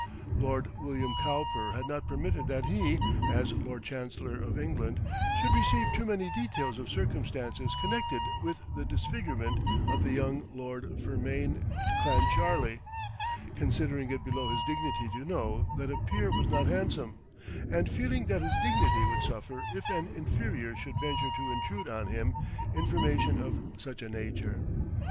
Lord William Cowper had not permitted that he, as Lord Chancellor of England, should receive too many details of circumstances connected with the disfigurement of the young Lord Fermain Clancharlie, considering it below his dignity to know that a peer was not handsome; and feeling that his dignity would suffer if an inferior should venture to intrude on him information of such a nature.